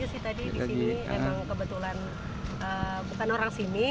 saya sih tadi di sini emang kebetulan bukan orang sini